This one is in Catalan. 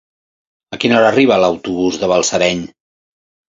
A quina hora arriba l'autobús de Balsareny?